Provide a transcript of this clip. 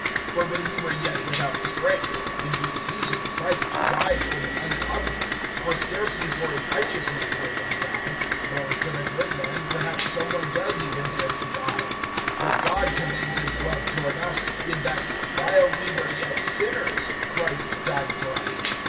(6)For when we were yet without strength, in due season Christ died for the ungodly. (7)For scarcely for a righteous man will one die; though, for the good man, perhaps some one does even dare to die. (8)But God commends his love toward us, in that, while we were yet sinners, Christ died for us.